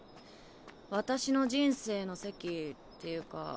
私の人生の席っていうか